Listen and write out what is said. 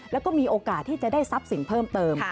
แล้วก็มีโอกาสที่จะได้ทรัพย์สินเพิ่มเติม